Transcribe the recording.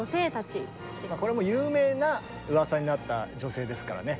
これも有名なうわさになった女性ですからね。